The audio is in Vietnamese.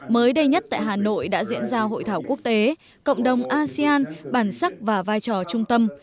mới đây nhất tại hà nội đã diễn ra hội thảo quốc tế cộng đồng asean bản sắc và vai trò trung tâm